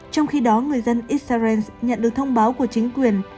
trong khi đó người dân israel nhận được thông báo của chính quyền